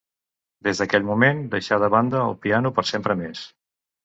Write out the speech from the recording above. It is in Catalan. Des d'aquell moment deixà de banda el piano per sempre més.